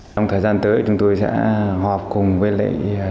trong thời gian tới chúng tôi sẽ hòa hợp cùng với lễ